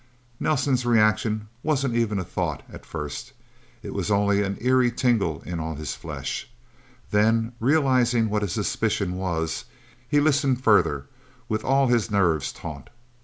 Nelsen's reaction wasn't even a thought, at first; it was only an eerie tingle in all his flesh. Then, realizing what his suspicion was, he listened further, with all his nerves taut.